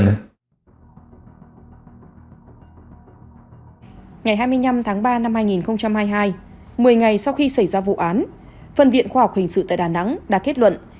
ngày hai mươi năm tháng ba năm hai nghìn hai mươi hai một mươi ngày sau khi xảy ra vụ án phân viện khoa học hình sự tại đà nẵng đã kết luận